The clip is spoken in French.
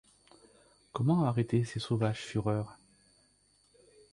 Comment arrêter ces sauvages fureurs ?